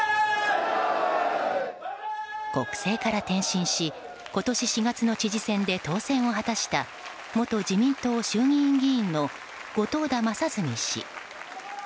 国政から転身し、今年４月の知事選で当選を果たした元自民党衆議院議員の後藤田正純氏。